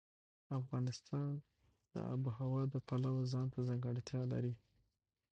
افغانستان د آب وهوا د پلوه ځانته ځانګړتیا لري.